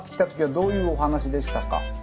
どういうお話でしたか？